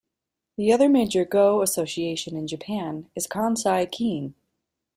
The other major Go association in Japan is Kansai Ki-in.